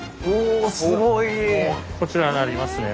こちらになりますね。